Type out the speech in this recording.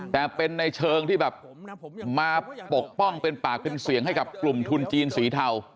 แต่เป็นในเชิงที่แบบมาปกป้องเป็นปากเป็นเสียงให้กับกลุ่มทุนจีนสีเทา